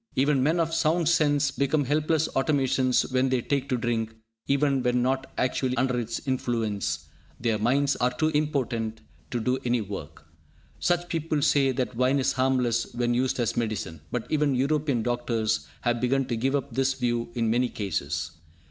Even men of sound sense become helpless automatons when they take to drink; even when not actually under its influence, their minds are too impotent to do any work. Some people say that wine is harmless when used as medicine, but even European doctors have begun to give up this view in many cases.